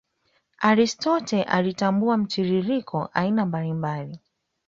Aristotle alitambua mtiririko aina mbali mbali